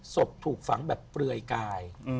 ศพถูกฝังแบบเปลือยกาย